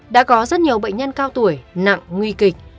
đã có rất nhiều bệnh nhân cao tuổi nặng nguy kịch